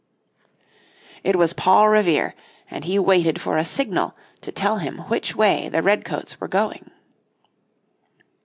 It was Paul Revere, and he waited for a signal to tell him which way the red coats were going.